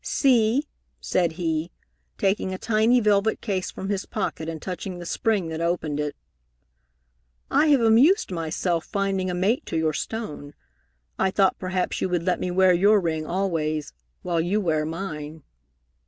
"See," said he, taking a tiny velvet case from his pocket and touching the spring that opened it. "I have amused myself finding a mate to your stone. I thought perhaps you would let me wear your ring always, while you wear mine."